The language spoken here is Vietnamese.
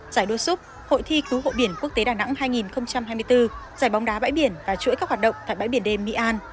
giải đua súp hội thi cứu hộ biển quốc tế đà nẵng hai nghìn hai mươi bốn giải bóng đá bãi biển và chuỗi các hoạt động tại bãi biển đêm mỹ an